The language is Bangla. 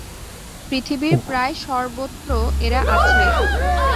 পৃথিবীর প্রায় সর্বত্র এরা আছে।